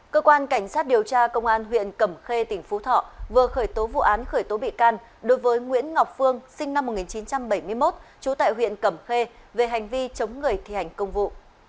cơ quan cảnh sát điều tra công an huyện cẩm khê tỉnh phú thọ vừa khởi tố vụ án khởi tố bị can đối với nguyễn ngọc phương sinh năm một nghìn chín trăm bảy mươi một trú tại huyện cẩm khê về hành vi chống người thi hành công vụ